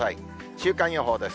週間予報です。